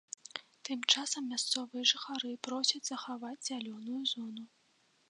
Тым часам мясцовыя жыхары просяць захаваць зялёную зону.